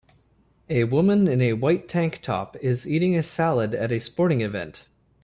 A woman in a white tank top is eating a salad at a sporting event.